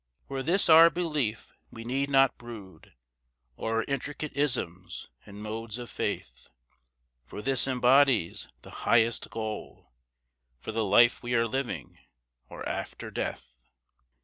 Were this our belief we need not brood O'er intricate isms and modes of faith For this embodies the highest goal For the life we are living, or after death.